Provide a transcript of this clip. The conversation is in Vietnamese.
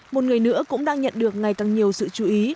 một người nữa cũng đang nhận được ngày càng nhiều sự chú ý